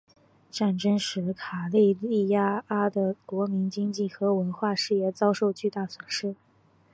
战争使卡累利阿的国民经济和文化事业遭受巨大损失。